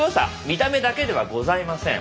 見た目だけではございません。